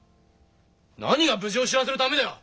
なにが無事を知らせるためだよ！